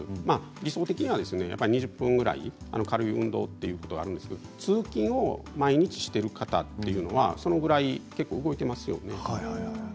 理想的には２０分ぐらい軽い運動ということがあるんですが通勤を毎日している方というのはそのぐらい動いていますよね。